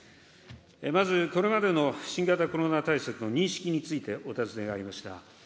まず、これまでの新型コロナ対策の認識についてお尋ねがありました。